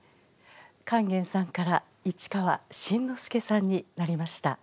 勸玄さんから市川新之助さんになりました。